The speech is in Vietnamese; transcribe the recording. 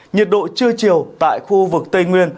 nhiệt độ trưa chiều tại khu vực tây nguyên